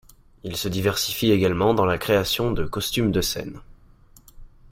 Il se diversifie également dans la création de costumes de scène.